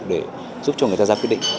để giúp cho người ta ra quyết định